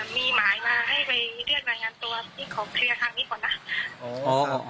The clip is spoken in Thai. เพราะว่าวันนี้นิวไม่น่าจะมีเวลาได้มาถ่วยเรื่องนี้